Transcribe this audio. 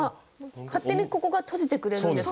勝手にここが閉じてくれるんですね。